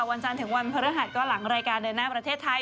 วันจานถึงวันภาระหรัฐก็หลังรายการเดินหน้าประเทศไทย